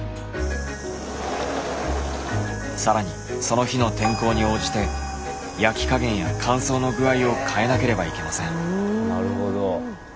更にその日の天候に応じて焼き加減や乾燥の具合を変えなければいけません。